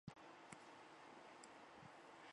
但这些尝试最初都不成功。